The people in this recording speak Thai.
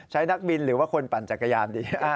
นักบินหรือว่าคนปั่นจักรยานดี